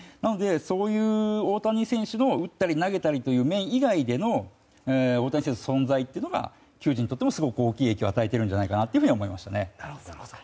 そういう大谷選手が打ったり投げたり以外の面での大谷選手の存在というのが球児にとってもすごくいい影響を与えているんじゃないかというふうに思いましたね。